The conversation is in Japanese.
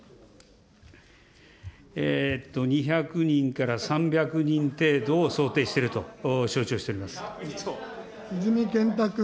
２００人から３００人程度を想定していると承知をしておりま泉健太君。